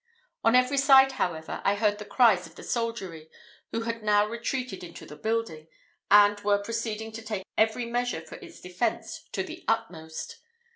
On every side, however, I heard the cries of the soldiery, who had now retreated into the building, and were proceeding to take every measure for its defence to the utmost.